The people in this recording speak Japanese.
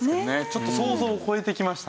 ちょっと想像を超えてきましたね